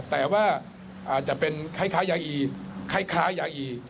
แต่ว่าอาจจะเป็นคล้ายยาอี